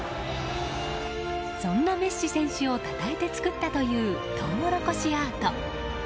そんなメッシ選手をたたえて作ったというトウモロコシアート。